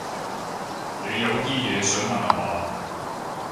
你有啲嘢想問吖嘛